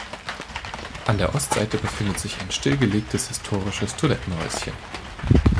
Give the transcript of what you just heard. An der Ostseite befindet sich ein stillgelegtes historisches Toilettenhäuschen.